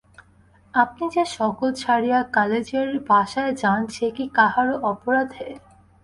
আপনি যে সকল ছাড়িয়া কালেজের বাসায় যান, সে কি কাহারো অপরাধে।